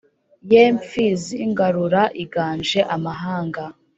Ye Mfizi ngarura iganje amahanga